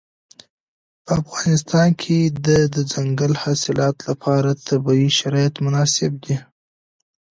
په افغانستان کې د دځنګل حاصلات لپاره طبیعي شرایط مناسب دي.